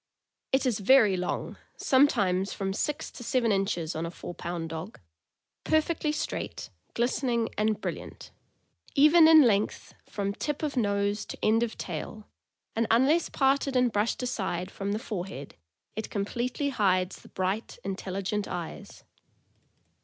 It is very long, sometimes THE MALTESE TERRIER. 501 from six to seven inches on a four pound dog, perfectly straight, glistening, and brilliant; even in length, from tip of nose to end of tail, and unless parted and brushed aside from the forehead it completely hides the bright, intelli gent eyes.